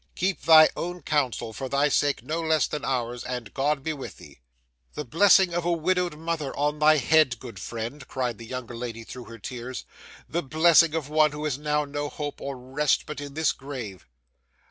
Keep thy own counsel, for thy sake no less than ours, and God be with thee!' 'The blessing of a widowed mother on thy head, good friend!' cried the younger lady through her tears; 'the blessing of one who has now no hope or rest but in this grave!